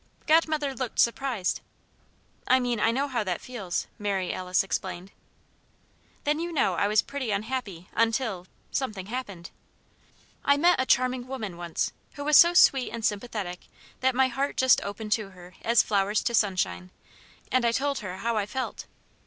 Godmother looked surprised. "I mean, I know how that feels," Mary Alice explained. "Then you know I was pretty unhappy until something happened. I met a charming woman, once, who was so sweet and sympathetic that my heart just opened to her as flowers to sunshine; and I told her how I felt.